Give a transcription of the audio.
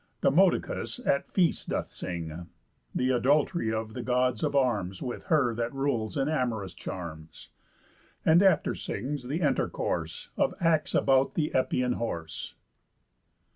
Demodocus, at feast, doth sing Th' adult'ry of the God of Arms With Her that rules in amorous charms; And after sings the entercourse Of acts about th' Epæan horse.